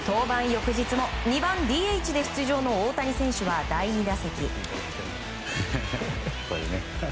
翌日も２番ＤＨで出場の大谷選手は、第２打席。